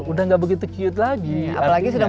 udah gak begitu cute lagi apalagi sudah